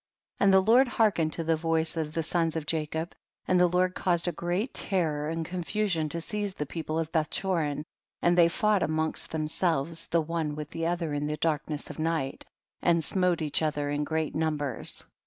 5. And the Lord hearkened to the voice of the sons of Jacob, and the Lord caused great terror and confu sion to seize the people of Beth chorin, and they fought amongst themselves the one with the other in the darkness of night, and smote each other in great numbers.